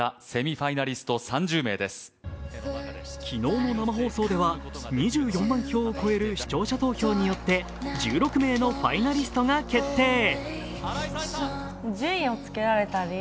ｓｅａｓｏｎ２昨日の生放送では２４万票を超える視聴者投票によって１６名のファイナリストが決定。